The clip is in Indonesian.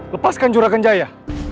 lepaskan jura kenjaya